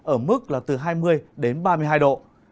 ở mức là từ hai mươi đến ba mươi hai độ